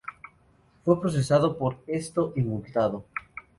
Fue procesado por esto, y multado.